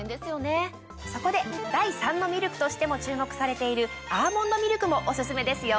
そこで第３のミルクとしても注目されているアーモンドミルクもオススメですよ。